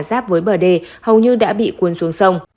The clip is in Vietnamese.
giáp với bờ đê hầu như đã bị cuốn xuống sông